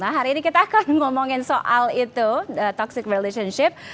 nah hari ini kita akan ngomongin soal itu toxic relationship